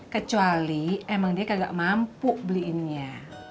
kecuali emang dia kagak mampu beliinnya